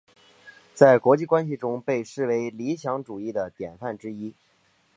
在国际关系中被视为理想主义的典范之一。